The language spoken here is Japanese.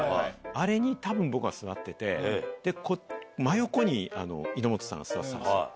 あれに僕が座ってて真横に猪本さんが座ってたんですよ。